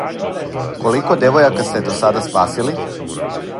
Колико девојака сте до сада спасили?